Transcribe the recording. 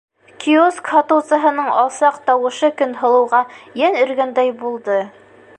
Киоск һатыусыһының алсаҡ тауышы Көнһылыуға йән өргәндәй булды: